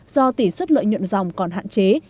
do tỷ suất lợi nhuận dòng còn hạn chế